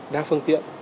đa phương tiện